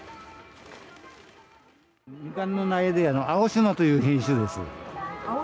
あおしまという品種です。